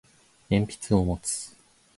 鉛筆を持つ